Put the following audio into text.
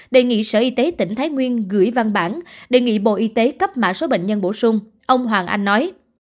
đề nghị sở y tế tỉnh thái nguyên gửi văn bản đề nghị bộ y tế cấp mã số bệnh nhân bổ sung ông hoàng anh nói